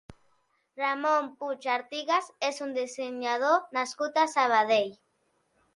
Ramon Puig Artigas és un dissenyador nascut a Sabadell.